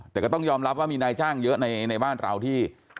แต่ก็ต้องยอมรับว่ามีนายจ้างเยอะในบ้านเราที่